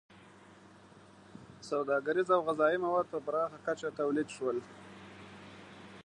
• سوداګریز او غذایي مواد په پراخه کچه تولید شول.